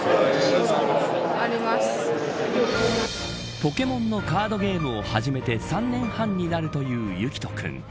ポケモンのカードゲームを始めて３年半になるという雪兎君。